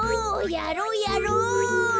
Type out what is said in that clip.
やろうやろう！